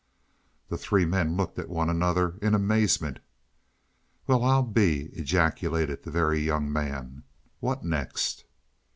The three men looked at one another in amazement. "Well, I'll be " ejaculated the Very Young Man. "What next?"